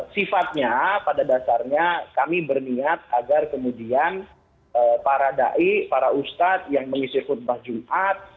sifatnya pada dasarnya kami berniat agar kemudian para ⁇ dai ⁇ para ustadz yang mengisi khutbah jumat